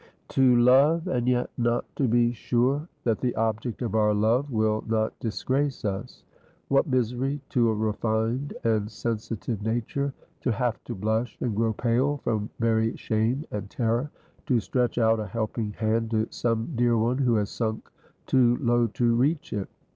To love, and yet not to be sure that the object of our love will not disgrace us. What misery to a refined and sensitive nature, to have to blush and grow pale from very shame and terror; to stretch out a helping hand to some dear one who has sunk too low to reach it.